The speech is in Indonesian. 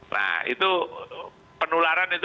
nah itu penularan itu